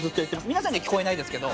皆さんには聞こえないですけど。